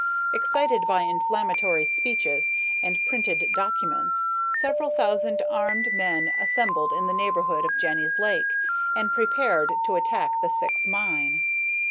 Excited by inflammatory speeches and printed documents, several thousand armed men assembled in the neighborhood of Jenny's Lake and prepared to attack the Syx mine.